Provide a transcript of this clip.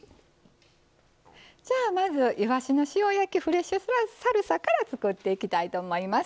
じゃあまずいわしの塩焼きフレッシュサルサから作っていきたいと思います。